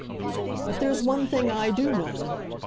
"But there's one thing I do know!"